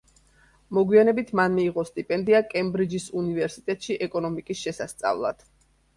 მოგვიანებით მან მიიღო სტიპენდია კემბრიჯის უნივერსიტეტში ეკონომიკის შესასწავლად.